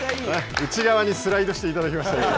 内側にスライドしていただきましたが。